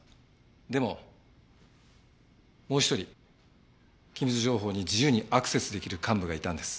でももう一人機密情報に自由にアクセスできる幹部がいたんです。